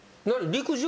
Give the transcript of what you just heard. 陸上？